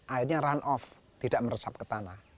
airnya run off tidak meresap ke tanah